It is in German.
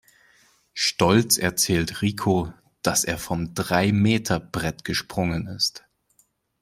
Stolz erzählt Rico, dass er vom Dreimeterbrett gesprungen ist.